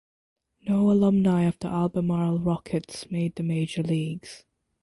No alumni of the Albemarle Rockets made the major leagues.